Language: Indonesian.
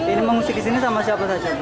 ini mengungsi ke sini sama siapa saja